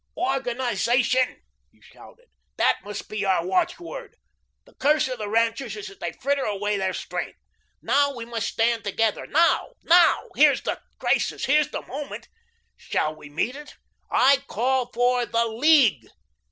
"ORGANISATION," he shouted, "that must be our watch word. The curse of the ranchers is that they fritter away their strength. Now, we must stand together, now, NOW. Here's the crisis, here's the moment. Shall we meet it? I CALL FOR THE LEAGUE.